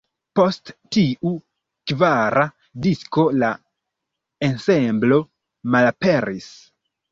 Post tiu kvara disko la ensemblo malaperis.